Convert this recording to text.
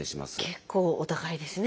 結構お高いですね